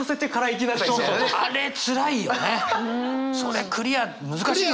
それクリア難しいのよ。